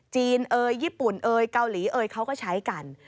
เอ่ยญี่ปุ่นเอ่ยเกาหลีเอยเขาก็ใช้กัน